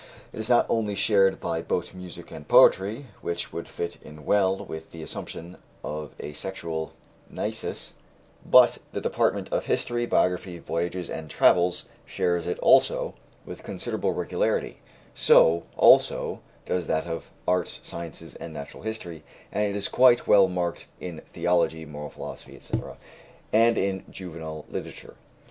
It is not only shared by both music and poetry, which would fit in well with the assumption of a sexual nisus, but the department of "history, biography, voyages, and travels" shares it also with considerable regularity; so, also, does that of "arts, sciences, and natural history," and it is quite well marked in "theology, moral philosophy, etc.," and in "juvenile literature."